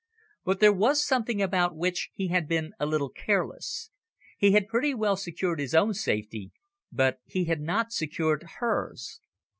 But there was something about which he had been a little careless. He had pretty well secured his own safety, but he had not secured hers.